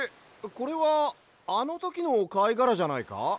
これはあのときのかいがらじゃないか？